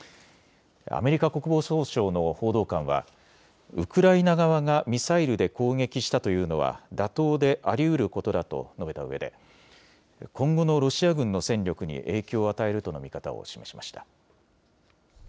アメリカ国防総省の報道官はウクライナ側がミサイルで攻撃したというのは妥当でありうることだと述べたうえで今後のロシア軍の戦力に影響を与えるとの見方を示しました。